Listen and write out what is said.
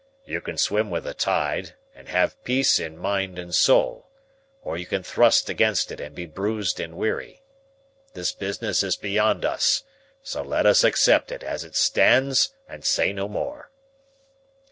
"You can swim with the tide and have peace in mind and soul, or you can thrust against it and be bruised and weary. This business is beyond us, so let us accept it as it stands and say no more."